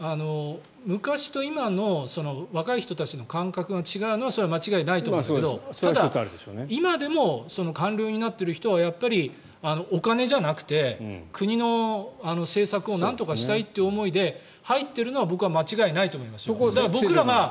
昔と今の若い人たちの感覚が違うのはそれは間違いないと思うんだけどただ、今でも官僚になっている人はやっぱりお金じゃなくて国の政策をなんとかしたいっていう思いで入っているのは僕は間違いないと思います。